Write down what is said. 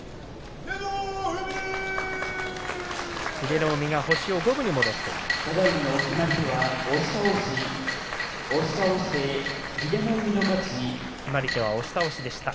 英乃海が星を五分に戻しました。